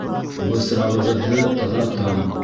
— Бысрағығыҙҙы таҙартам.